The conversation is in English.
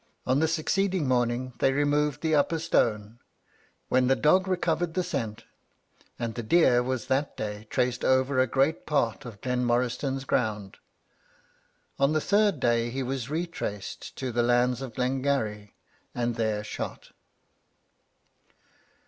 On the succeeding morning they removed the upper stone, when the dog recovered the scent, and the deer was that day traced over a great part of Glenmoriston's ground. On the third day he was retraced to the lands of Glengarry, and there shot.